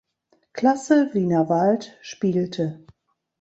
Klasse Wienerwald spielte.